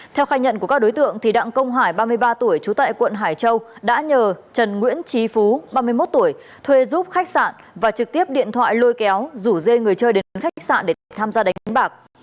theo khai nhận của các đối tượng đặng công hải ba mươi ba tuổi trú tại quận hải châu đã nhờ trần nguyễn trí phú ba mươi một tuổi thuê giúp khách sạn và trực tiếp điện thoại lôi kéo rủ dê người chơi đến quán khách sạn để tham gia đánh bạc